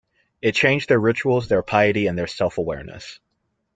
It changed their rituals, their piety, and their self-awareness.